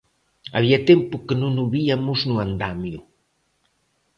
Había tempo que non o viamos no andamio.